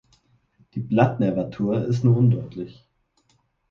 Die Blattnervatur ist nur undeutlich.